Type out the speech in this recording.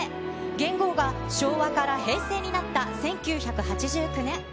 元号が昭和から平成になった１９８９年。